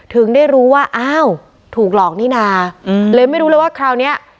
ถึงได้รู้ว่าอ้าวถูกหลอกนี่นาเลยไม่รู้เลยว่าคราวเนี้ย